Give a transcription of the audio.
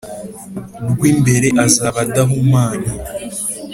Rw imbere azaba adahumanye